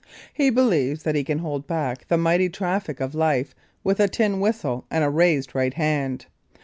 He believes that he can hold back the mighty traffic of life with a tin whistle and a raised right hand.